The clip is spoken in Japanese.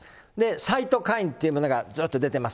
サイトカインっていうものがずっと出てます。